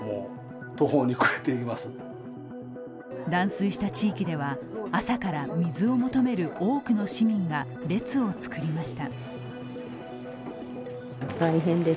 断水した地域では朝から水を求める多くの市民が列を作りました。